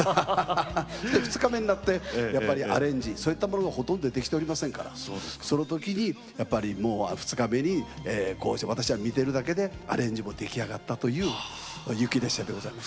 ２日目になってやっぱりアレンジそういったものがほとんどできておりませんからその時にやっぱり２日目に私は見てるだけでアレンジも出来上がったという「雪列車」でございます。